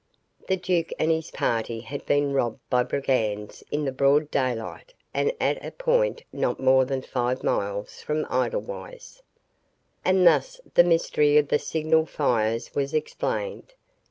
The duke and his party had been robbed by brigands in the broad daylight and at a point not more than five miles from Edelweiss! And thus the mystery of the signal fires was explained.